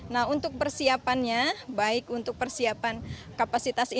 nah untuk persiapannya baik untuk persiapan kapasitasnya